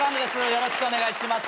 よろしくお願いします。